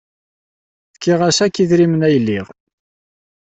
Fkiɣ-as akk idrimen ay liɣ.